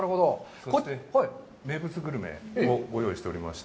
そして、名物グルメをご用意しておりまして。